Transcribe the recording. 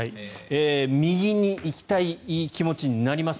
右に行きたい気持ちになります。